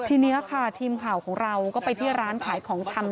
ทีนี้ค่ะทีมข่าวของเราก็ไปที่ร้านขายของชำ